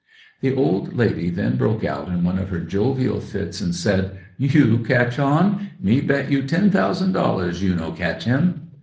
The old lady then broke out in one of her jovial fits and said: "You ketch on? Me bet you ten tousand dollars you no ketch him!"